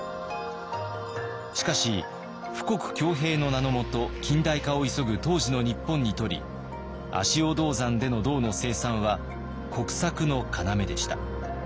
しかし富国強兵の名のもと近代化を急ぐ当時の日本にとり足尾銅山での銅の生産は国策の要でした。